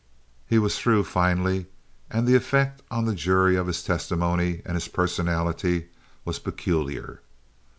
He was through finally, and the effect on the jury of his testimony and his personality was peculiar.